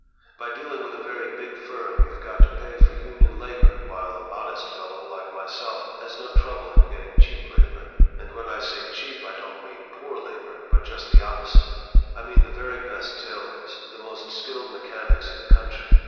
By dealing with a very big firm you've got to pay for union labor, while a modest fellow like myself has no trouble in getting cheap labor. And when I say cheap I don't mean poor labor, but just the opposite. I mean the very best tailors, the most skilled mechanics in the country.